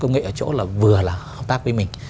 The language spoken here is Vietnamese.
công nghệ ở chỗ là vừa là hợp tác với mình